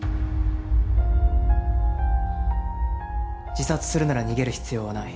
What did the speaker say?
自殺するなら逃げる必要はない。